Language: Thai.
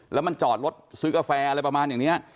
แล้วมันจอดรถซื้อกาแฟอะไรประมาณอย่างนี้